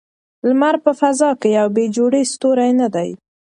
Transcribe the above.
لمر په فضا کې یو بې جوړې ستوری نه دی.